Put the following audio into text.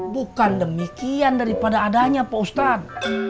bukan demikian daripada adanya pak ustadz